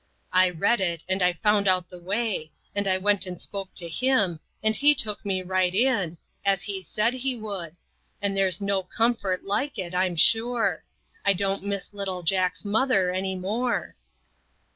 " I read it, and I found out the way, and I went and spoke to Him, and He took me right in, as He said He would, and there's no comfort like it, I'm sure. I don't miss little Jack's mother any more."